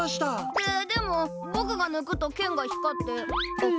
えでもぼくがぬくと剣が光って。